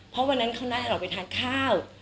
เพราะวันนั้นเขานัดออกไปทานข้าว